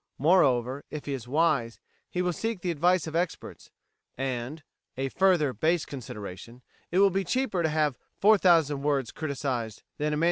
Moreover, if he is wise, he will seek the advice of experts, and (a further base consideration) it will be cheaper to have 4000 words criticised than a MS.